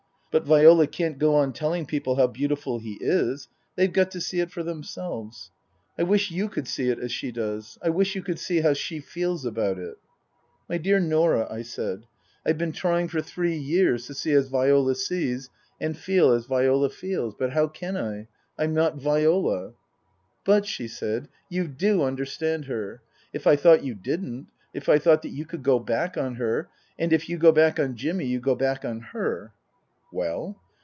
But Viola can't go on telling people how beautiful he is. They've got to see it for themselves. " I wish you could see it as she does. I wish you could see how she feels about it "" My dear Norah," I said, "I've been trying for three Book II : Her Book 155 years to see as Viola sees, and feel as Viola feels. But how can I ? I'm not Viola." " But," she said, " you do understand her. If I thought you didn't if I thought that you could go back on her and if you go back on Jimmy you go back on her " Well